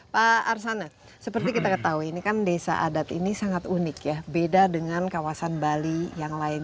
pak arsana seperti kita ketahui ini kan desa adat ini sangat unik ya beda dengan kawasan bali yang lain